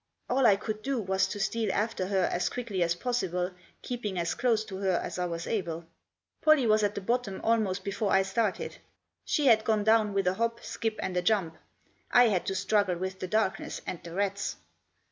All I could do was to steal after her as quickly as possible, keeping as close to her as I was able. Pollie was at the bottom almost before I started ; she had gone down with a hop, skip, and a jump ; I had to struggle with the darkness and the rats.